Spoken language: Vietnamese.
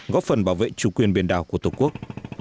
góp phần bảo vệ chủ quyền biển đảo của tổ quốc